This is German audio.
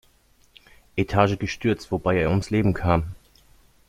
Etage gestürzt, wobei er ums Leben kam.